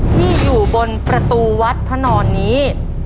ที่อยู่บนประตูวัดพระนอนนี้